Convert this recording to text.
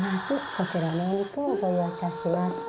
こちら、お肉をご用意いたしました。